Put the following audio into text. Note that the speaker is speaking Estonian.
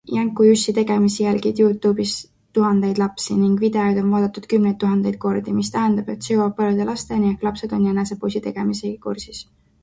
Jänku-Jussi tegemisi jälgib YouTube'is tuhandeid lapsi ning videoid on vaadatud kümneid tuhandeid kordi, mis tähendab, et see jõuab paljude lasteni ehk lapsed on jänesepoisi tegemisi kursis.